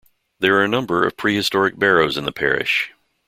There are a number of prehistoric barrows in the parish.